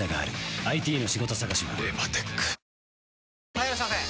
・はいいらっしゃいませ！